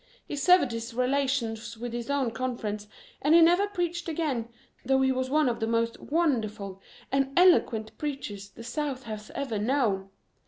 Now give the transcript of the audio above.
He severed his relations with his own Conference, and he never preached again though he was one of the most wonderful and eloquent preachers the South has ever known.